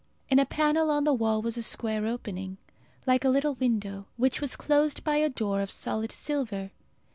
In a panel on the wall was a square opening, like a little window, which was closed by a door of solid silver.